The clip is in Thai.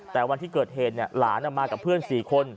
แต่วันที่เกิดเหตุหลานมากับเพื่อน๔คน